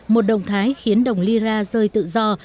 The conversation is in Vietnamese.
một động thái khiến đồng lyra rơi tự do